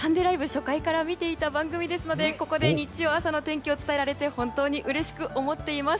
初回から見ていた番組ですのでここで日曜朝の天気を伝えられて本当にうれしく思っています。